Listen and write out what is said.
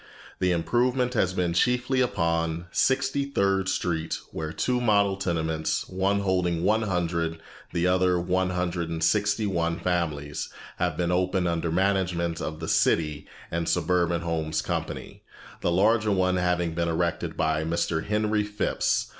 The improvement has been chiefly upon Sixty third Street where two model tenements, one holding one hundred, the other one hundred and sixty one families, have been opened under the management of the City and Suburban Homes Company, the larger one having been erected by Mr. Henry Phipps.